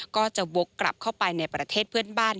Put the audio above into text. ก็จะวกกลับเข้าไปในประเทศเพื่อนบ้าน